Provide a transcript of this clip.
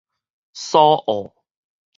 蘇澳